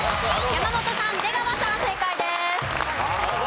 山本さん出川さん正解です。